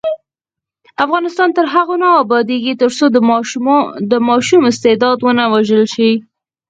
افغانستان تر هغو نه ابادیږي، ترڅو د ماشوم استعداد ونه وژل شي.